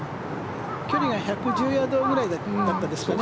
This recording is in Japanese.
距離が１１０ヤードぐらいでしたかね。